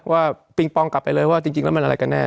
ปิงปองกลับไปเลยว่าจริงแล้วมันอะไรกันแน่